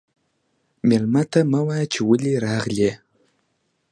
مېلمه ته مه وايه چې ولې راغلې.